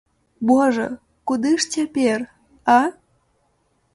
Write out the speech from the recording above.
Божа, куды ж цяпер, а?!